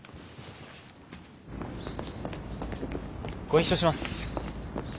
ご一緒します。